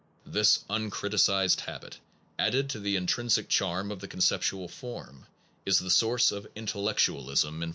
This uncriticized habit, added to the intrinsic charm of the conceptual form, is the source of intellectualism in phi losophy.